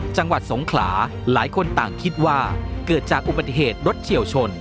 จังหวัดสงขลาหลายคนต่างคิดว่าเกิดจากอุบัติเหตุรถเฉียวชน